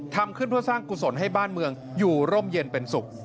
ทำขึ้นเพื่อสร้างกุศลให้บ้านเมืองอยู่ร่มเย็นเป็นสุข